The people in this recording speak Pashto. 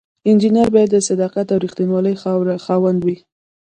انجینر باید د صداقت او ریښتینولی خاوند وي.